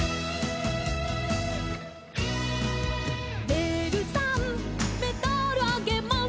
「レールさんメダルあげます」